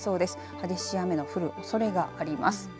激しい雨が降るおそれがあります。